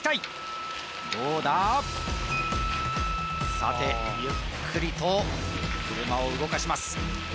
さてゆっくりと車を動かします